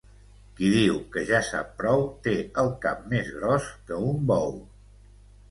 Qui diu que ja sap prou, té el cap més gros que un bou.